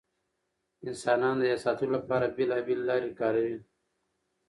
انسانان د یاد ساتلو لپاره بېلابېل لارې کاروي.